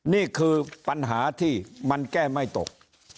นี่คือปัญหาที่มันแก้ไม่ตก